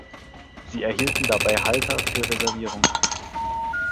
Sie erhielten dabei Halter für Reservierungen.